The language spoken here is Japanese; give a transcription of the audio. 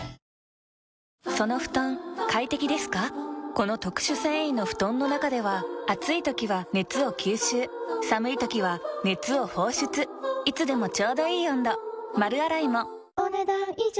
この特殊繊維の布団の中では暑い時は熱を吸収寒い時は熱を放出いつでもちょうどいい温度丸洗いもお、ねだん以上。